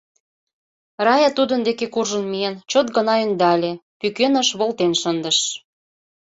Рая тудын деке куржын миен, чот гына ӧндале, пӱкеныш волтен шындыш.